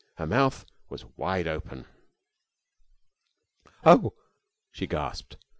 HER MOUTH WAS WIDE OPEN.] "Oh!" she gasped.